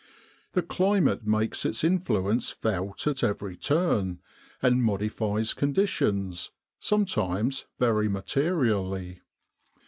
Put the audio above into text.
The climate makes its influence felt at every turn, and modifies conditions, sometimes very materially.